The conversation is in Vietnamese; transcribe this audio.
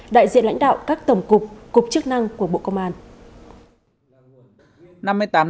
đại diện lãnh đạo các tổng cục cục chức năng của bộ công an